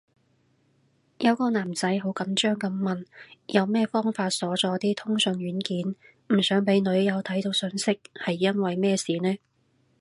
有個男仔好緊張噉問有咩方法鎖咗啲通訊軟件，唔想俾女友睇到訊息，係因為咩事呢？